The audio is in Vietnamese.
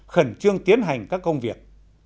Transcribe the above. khẩn trương tiến hành các công việc